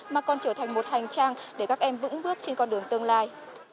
mà còn trở thành một hành trang để các em vững bước trên con đường tương lai